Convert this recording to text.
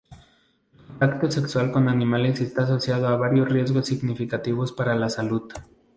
El contacto sexual con animales está asociado a varios riesgos significativos para la salud.